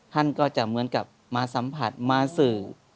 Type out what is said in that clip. ท่านก็จะเหมือนกับมาสัมผัสมาสื่อ